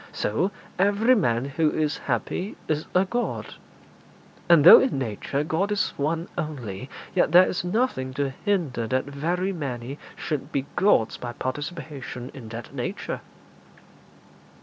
So every man who is happy is a god; and though in nature God is One only, yet there is nothing to hinder that very many should be gods by participation in that nature.'